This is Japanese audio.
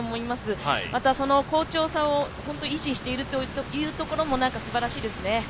また好調さを維持しているというところもすばらしいですね。